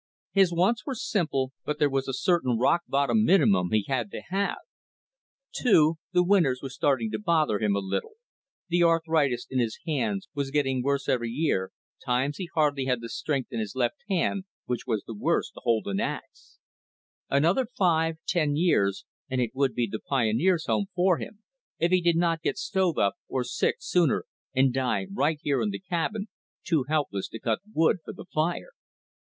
His wants were simple, but there was a certain rock bottom minimum he had to have. Too, the winters were starting to bother him a little, the arthritis in his hands was getting worse every year, times he hardly had the strength in his left hand, which was the worst, to hold an ax. Another five, ten, years and it would be the Pioneers' Home for him if he did not get stove up or sick sooner and die right here in the cabin, too helpless to cut wood for the fire.